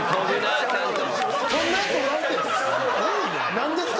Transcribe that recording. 何ですか？